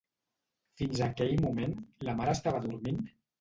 Fins a aquell moment, la mare estava dormint?